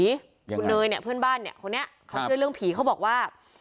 คุณเนยเนี่ยเพื่อนบ้านเนี่ยคนนี้เขาเชื่อเรื่องผีเขาบอกว่า